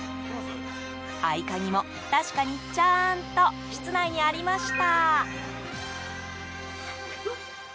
合い鍵も、確かにちゃんと室内にありました。